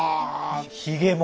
ひげも。